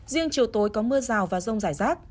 riêng chiều tối có mưa rào và rông rải rác